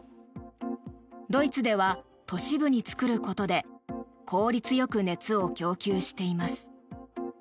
ドイツでは都市部に作ることで効率よく熱を供給しています。